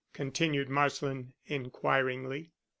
continued Marsland inquiringly.